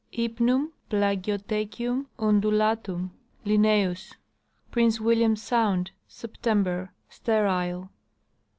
Hijpnum {Plagiothecium) undulatum, L. Prince William sound, September. Sterile.